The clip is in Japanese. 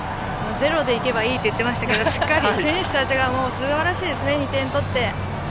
０で行けばいいと言っていましたがしっかり、選手たちがすばらしいですね、２点取って。